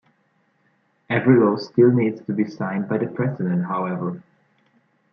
Every law still needs to be signed by the President however.